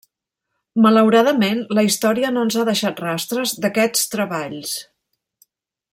Malauradament la història no ens ha deixat rastres d'aquests treballs.